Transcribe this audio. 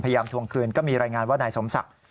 ทวงคืนก็มีรายงานว่านายสมศักดิ์